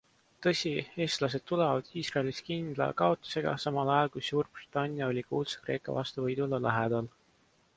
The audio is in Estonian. Tõsi, eestlased tulevad Iisraelist kindla kaotusega, samal ajal kui Suurbritannia oli kuulsa Kreeka vastu võidule lähedal.